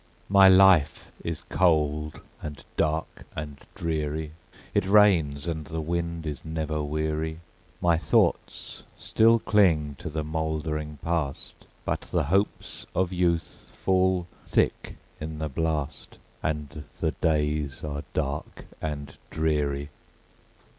My life is cold, and dark, and dreary; It rains, and the wind is never weary; My thoughts still cling to the mouldering Past, But the hopes of youth fall thick in the blast, And the days are dark and dreary.